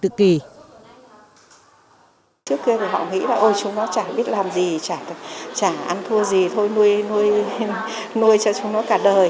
trước kia thì họ nghĩ là ôi chúng nó chả biết làm gì chả ăn thua gì thôi nuôi cho chúng nó cả đời